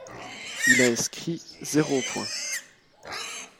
Il a inscrit zéro points.